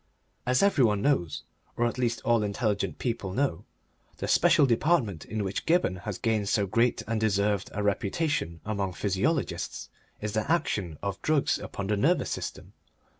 As every one knows, or at least as all intelligent people know, the special department in which Gibberne has gained so great and deserved a reputation among physiologists is the action of drugs upon the nervous system.